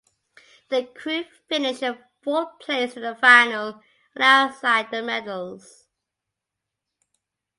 Their crew finished in fourth placed in the final and outside the medals.